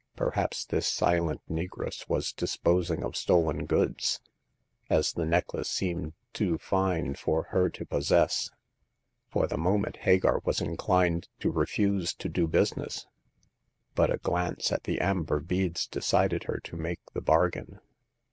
Perhaps this silent negress was disposing of stolen goods, as the necklace seemed too fine for her to possess. For the moment Hagar was inclined to refuse to do busi ness ; but a glance at the amber beads decided her to make the bargain.